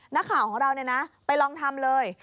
นักข่าวของเราไปลองทำเลย